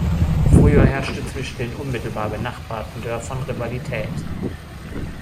Früher herrschte zwischen den unmittelbar benachbarten Dörfern Rivalität.